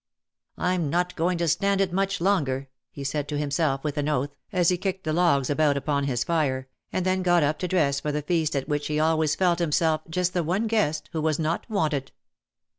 "Fm not going to stand it much longer,'^ he said to himself, with an oath, as he kicked the logs about upon his fire, and then got up to dress for the feast at which he always felt himself just the one ^uest who was not wanted.